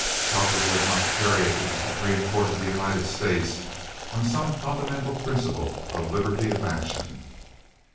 Cowperwood might carry it to the Supreme Court of the United States on some fundamental principle of liberty of action.